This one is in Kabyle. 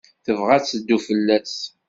Tebɣa ad tedlu fell-as?